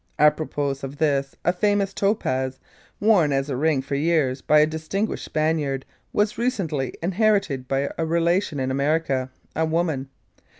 Apropos of this, a famous topaz, worn as a ring for years by a distinguished Spaniard was recently inherited by a relation in America a woman.